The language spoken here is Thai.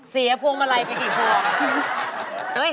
พวงมาลัยไปกี่พวง